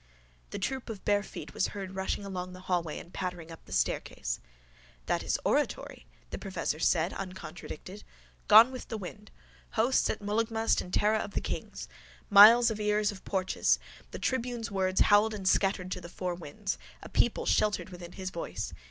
The troop of bare feet was heard rushing along the hallway and pattering up the staircase. —That is oratory, the professor said uncontradicted. Gone with the wind. Hosts at Mullaghmast and Tara of the kings. Miles of ears of porches. The tribune's words, howled and scattered to the four winds. A people sheltered within his voice.